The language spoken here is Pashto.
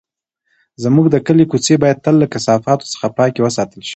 زموږ د کلي کوڅې باید تل له کثافاتو څخه پاکې وساتل شي.